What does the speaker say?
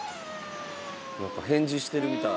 何か返事してるみたい。